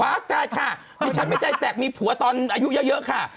กายค่ะดิฉันไม่ใจแตกมีผัวตอนอายุเยอะค่ะ